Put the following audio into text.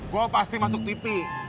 gue pasti masuk tv